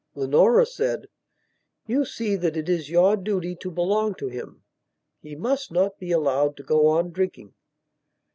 Leonora said: "You see that it is your duty to belong to him. He must not be allowed to go on drinking."